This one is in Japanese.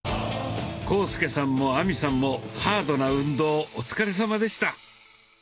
浩介さんも亜美さんもハードな運動お疲れさまでした。